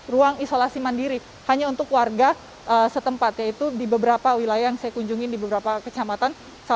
ruang isolasi mandiri hanya untuk warga setempat yaitu di beberapa wilayah yang saya kunjungi di beberapa kecamatan